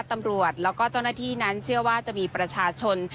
ตำรวจแล้วก็เจ้าหน้าที่นั้นเชื่อว่าจะมีประชาชน